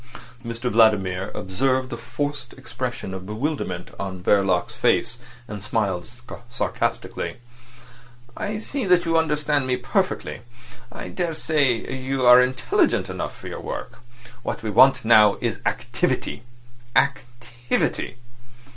Mr Vladimir observed the forced expression of bewilderment on Verloc's face, and smiled sarcastically. "I see that you understand me perfectly. I daresay you are intelligent enough for your work. What we want now is activity—activity."